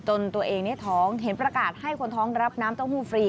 ตัวเองเนี่ยท้องเห็นประกาศให้คนท้องรับน้ำเต้าหู้ฟรี